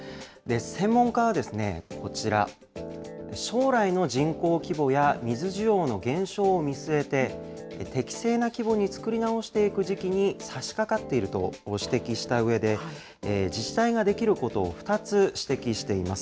専門家はこちら、将来の人口規模や水需要の減少を見据えて、適正な規模に作り直していく時期にさしかかっていると指摘したうえで、自治体ができることを２つ指摘しています。